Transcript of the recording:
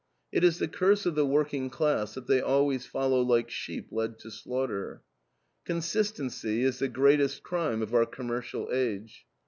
It is the curse of the working class that they always follow like sheep led to slaughter. Consistency is the greatest crime of our commercial age.